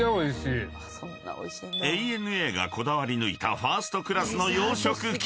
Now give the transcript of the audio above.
［ＡＮＡがこだわり抜いたファーストクラスの洋食機